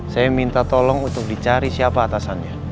saya minta tolong untuk dicari siapa atasannya